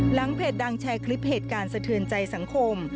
เพจดังแชร์คลิปเหตุการณ์สะเทือนใจสังคม